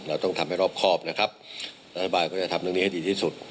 เราต้องทำให้รอบครอบนะครับรัฐบาลก็จะทำเรื่องนี้ให้ดีที่สุด